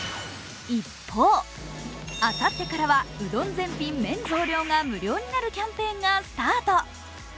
一方あさってからはうどん全品麺増量が無料になるキャンペーンがスタート。